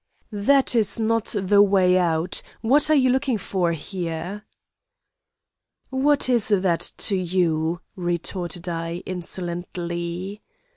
"'That is not the way out? What are you looking for here?' "'What is that to you?' retorted I, insolently.